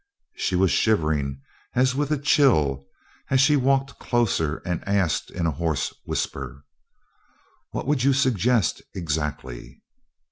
She was shivering as with a chill as she walked closer and asked in a hoarse whisper: "What would you suggest exactly?"